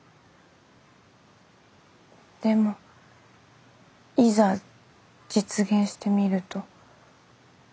でもいざ実現してみると。